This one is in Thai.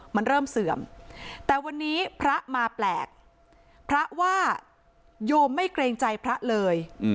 มันเริ่มเสื่อมแต่วันนี้พระมาแปลกพระว่าโยมไม่เกรงใจพระเลย